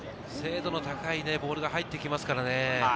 精度の高いボールが入ってきますからね。